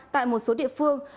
tại một số địa phương